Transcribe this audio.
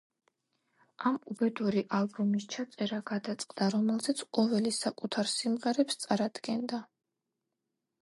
ამ უბედური ალბომის ჩაწერა გადაწყდა, რომელზეც ყოველი საკუთარ სიმღერებს წარადგენდა.